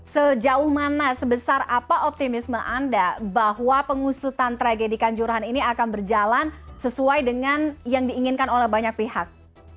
sejauh mana sebesar apa optimisme anda bahwa pengusutan tragedi kanjuruhan ini akan berjalan sesuai dengan yang diinginkan oleh banyak pihak